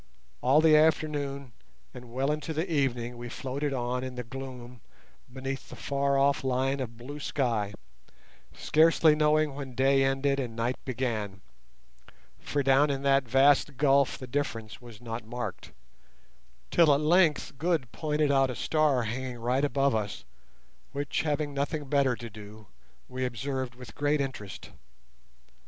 All the afternoon and well into the evening we floated on in the gloom beneath the far off line of blue sky, scarcely knowing when day ended and night began, for down in that vast gulf the difference was not marked, till at length Good pointed out a star hanging right above us, which, having nothing better to do, we observed with great interest.